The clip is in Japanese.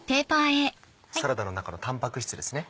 サラダの中のタンパク質ですね。